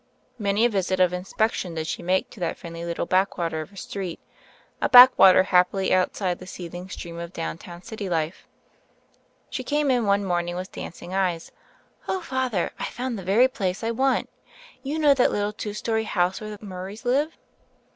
Many a visit of inspection did she make to that friendly little backwater of a street — a backwater happily outside the seething stream of downtown city life. She came in one morning with dancing eyes. "Oh, Father, Fve found the very place I want. 88 THE FAIRY OF THE SNOWS 89 You know that little two story house where the Murrays live?"